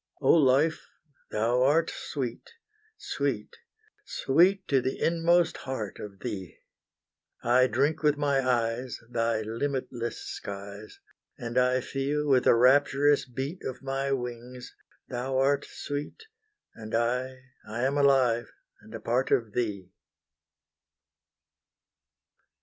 Oh life, thou art sweet Sweet sweet to the inmost heart of thee! I drink with my eyes Thy limitless skies, And I feel with the rapturous beat Of my wings thou art sweet And I, I am alive, and a part of thee!